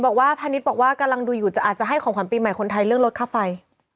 ถ้าพนิษย์บอกว่ากำลังดูอยู่ครั้งนี้อาจจะให้ของขวัญปีใหม่คนไทยเรื่องรถค่าไฟ